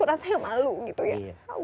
rasanya malu gitu ya